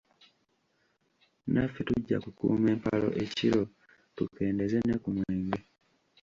Naffe tujja kukuuma empalo ekiro, tukendeeze ne ku mwenge.